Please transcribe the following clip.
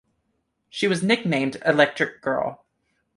She was nicknamed "Electric Girl".